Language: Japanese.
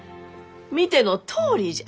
見てのとおりじゃ！